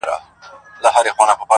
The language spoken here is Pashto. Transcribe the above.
د انارکلي اوښکو ته!!!